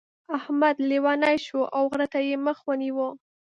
احمد لېونی شو او غره ته يې مخ ونيو.